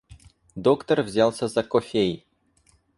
Доктор взялся за кофей.